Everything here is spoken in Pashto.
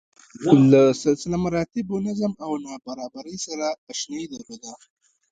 له سلسله مراتبو، نظم او نابرابرۍ سره اشنايي درلوده.